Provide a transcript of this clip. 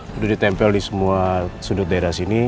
sudah ditempel di semua sudut daerah sini